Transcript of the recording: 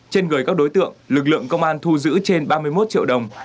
trên người các đối tượng lực lượng công an thu giữ trên ba mươi một triệu đồng